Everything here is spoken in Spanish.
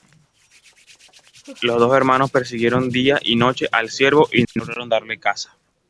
Los dos hermanos persiguieron día y noche al ciervo y no lograron darle caza.